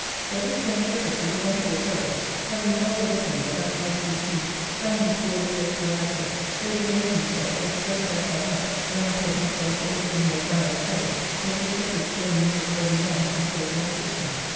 But this young shepherd, with a wonderful courage, having no other weapon but that knife you see, standing before the place where I lay, so behaved himself that the first sight I had, when I thought myselfalready near Charon's ferry, was the shepherd showing me his bloody knife in token of victory."